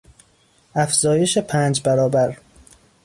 افزایش پنج برابر